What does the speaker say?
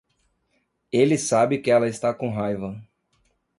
Ele sabe que ela está com raiva.